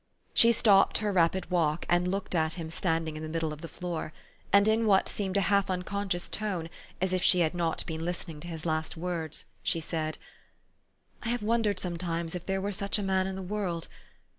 She stopped her rapid walk, and looked at him standing in the middle of the floor ; and in what seemed a half unconscious tone, as if she had not been listening to his last words, she said, 4 ' I have wondered sometimes if there were such a man in the world.